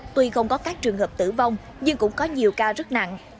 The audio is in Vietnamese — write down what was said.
tuy không có các trường hợp tử vong nhưng cũng có nhiều ca rất nặng